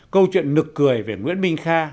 câu chuyện nực cười về nguyễn minh kha